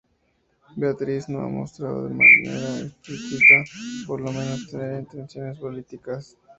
Beatriz no ha mostrado, de manera explícita por lo menos, tener intenciones políticas.